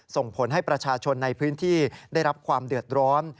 ส่งผลให้ประชาชนในพื้นที่ได้รับความเดือดร้อน